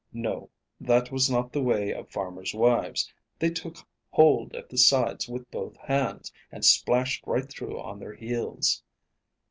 No, that was not the way of farmers' wives: they took hold at the sides with both hands, and splashed right through on their heels.